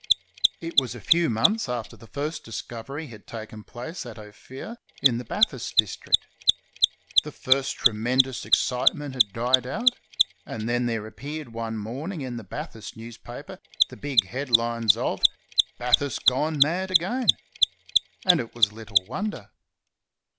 It was a few months after the first discovery had taken place at Ophir, in the Bathurst district. The first tre 491 ISLANDS OF THE PACIFIC mendous excitement had died out, and then there ap peared one morning in the Bathurst newspaper the big headlines of — "BATHURST GONE MAD AGAIN!" And it was little wonder.